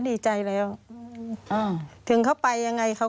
ควิทยาลัยเชียร์สวัสดีครับ